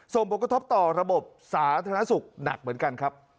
ส่งประกาศต่อระบบสาธารณสุขหนักเหมือนกัน